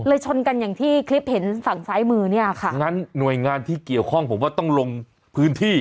ชนกันอย่างที่คลิปเห็นฝั่งซ้ายมือเนี่ยค่ะงั้นหน่วยงานที่เกี่ยวข้องผมว่าต้องลงพื้นที่